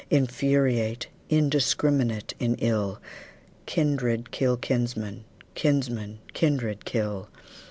Infuriate, indiscrminate in ill, Kindred kill kinsmen, kinsmen kindred kill.